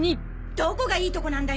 どこがいいとこなんだよ。